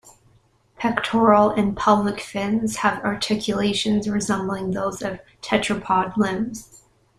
Pectoral and pelvic fins have articulations resembling those of tetrapod limbs.